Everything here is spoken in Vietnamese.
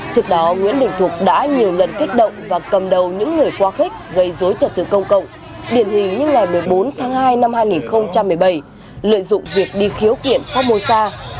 trước đó nguyễn đình thục đã nhiều lần kích động và cầm đầu những người quá khích gây dối trật tự công cộng điển hình như ngày một mươi bốn tháng hai năm hai nghìn một mươi bảy lợi dụng việc đi khiếu kiện pháp mô xa